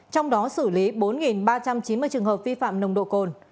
trong đó xử lý bốn ba trăm chín mươi trường hợp vi phạm nồng độ cồn